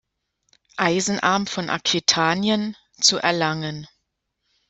Eisenarm von Aquitanien, zu erlangen.